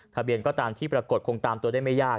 ทะเบียนก็ตามที่ปรากฏคงตามตัวได้ไม่ยาก